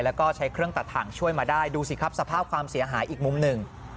แล้วก็ใช้เครื่องตัดถังช่วยมาได้ดูสิครับสภาพความเสียหายอีกมุมหนึ่ง